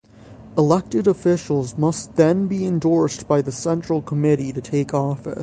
Elected officials must then be endorsed by the Central Committee to take office.